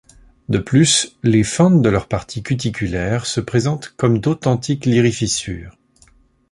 De plus, les fentes de leur partie cuticulaire se présentent comme d’authentiques lyrifissures.